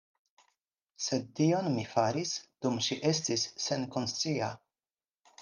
Sed tion mi faris, dum ŝi estis senkonscia.